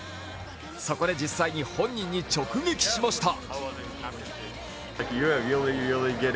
そこで実際に本人に直撃しました。